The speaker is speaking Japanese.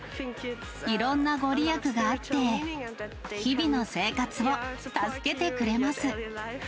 いろんな御利益があって、日々の生活を助けてくれます。